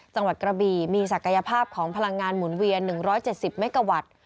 จังหวัดกระบีมีศักยภาพของพลังงานหมุนเวียน๑๗๐เมกาวัตต์